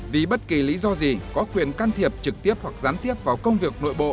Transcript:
vì bất kỳ lý do gì có quyền can thiệp trực tiếp hoặc gián tiếp vào công việc nội bộ